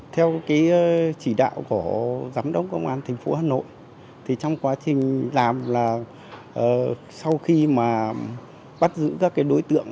theo chỉ đạo của giám đốc công an tp hà nội trong quá trình làm là sau khi bắt giữ các đối tượng